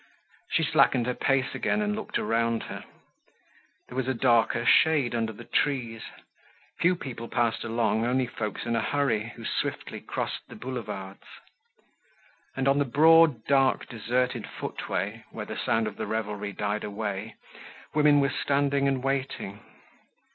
She slackened her pace again and looked around her. There was a darker shade under the trees. Few people passed along, only folks in a hurry, who swiftly crossed the Boulevards. And on the broad, dark, deserted footway, where the sound of the revelry died away, women were standing and waiting.